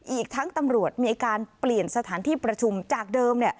อีกทั้งตำรวจมีการเปลี่ยนสถานที่ประชุมจากเดิม